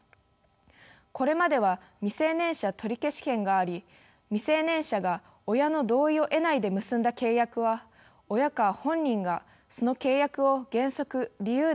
これまでは「未成年者取消権」があり未成年者が親の同意を得ないで結んだ契約は親か本人がその契約を原則理由なしで取り消しができました。